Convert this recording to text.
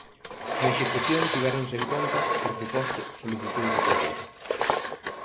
Na execución tivéronse en conta, por suposto, solicitudes do concello.